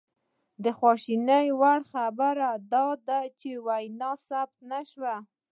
د خواشینۍ وړ خبره دا ده چې وینا ثبت نه شوه